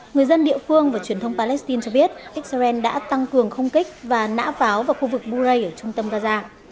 người dân địa phương và truyền thông palestine cho biết israel đã tăng cường không kích và nã pháo vào khu vực burei ở trung tâm gaza